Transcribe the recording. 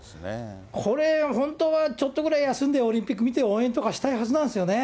これ、本当はちょっとぐらい休んで、オリンピック見て応援とかしたいはずなんですよね。